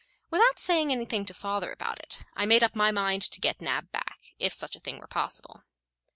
Without saying anything to father about it, I made up my mind to get Nab back, if such a thing were possible.